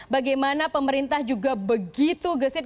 bagaimana pemerintah juga begitu gesit